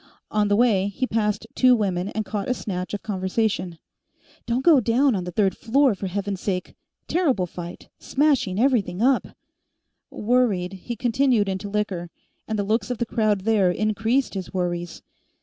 On the way, he passed two women, and caught a snatch of conversation: "Don't go down on the third floor, for Heaven's sake ... terrible fight ... smashing everything up " Worried, he continued into Liquor, and the looks of the crowd there increased his worries.